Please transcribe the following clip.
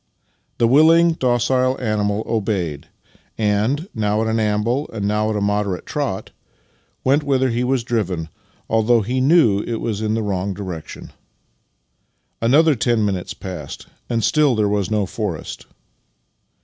The willing, docile animal obeyed and, now at an amble and now at a moderate trot, went whither he was driven, although he knew that it was in the wrong direction. Another ten minutes passed, and still there was no forest.